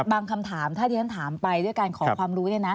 คำถามถ้าที่ฉันถามไปด้วยการขอความรู้